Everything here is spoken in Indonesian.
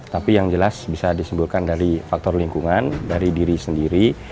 tapi yang jelas bisa disimpulkan dari faktor lingkungan dari diri sendiri